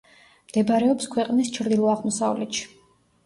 მდებარეობს ქვეყნის ჩრდილო-აღმოსავლეთში.